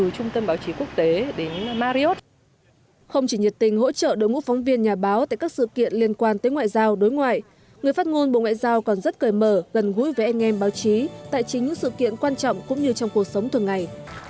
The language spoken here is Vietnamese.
cũng đã được trị vào đội ngũ cán bộ nhân viên vụ thông tin báo chí tại chính những sự kiện quan trọng cũng như trong cuộc sống thường ngày